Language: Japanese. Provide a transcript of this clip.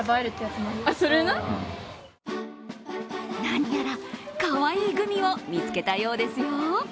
何やら、かわいいグミを見つけたようですよ。